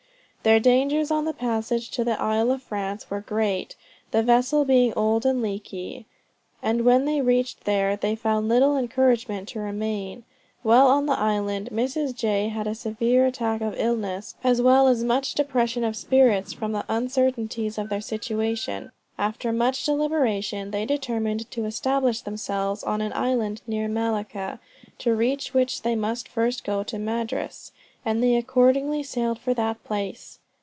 Their dangers on the passage to the Isle of France were great, the vessel being old and leaky; and when they reached there, they found little encouragement to remain. While on the island, Mrs. J. had a severe attack of illness, as well as much depression of spirits from the uncertainties of their situation. After much deliberation they determined to establish themselves on an island near Malacca, to reach which they must first go to Madras, and they accordingly sailed for that place.